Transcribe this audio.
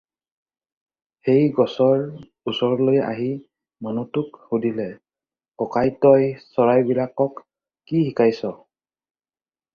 সেই গছৰ ওচৰলৈ আহি মানুহটোক সুধিলে,"ককাই তই চৰাইবিলাকক কি শিকাইছ?